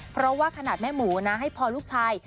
เพราะว่าขนาดแม่หมูนะให้พอลูกชาย